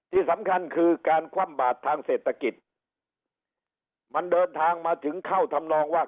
ที่สำคัญคือการคว่ำบาดทางเศรษฐกิจมันเดินทางมาถึงเข้าทำนองว่า